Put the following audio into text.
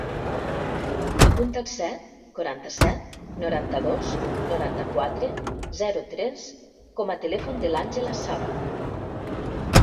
Apunta el set, quaranta-set, noranta-dos, noranta-quatre, zero, tres com a telèfon de l'Àngela Sava.